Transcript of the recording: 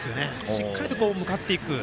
しっかりと向かっていく。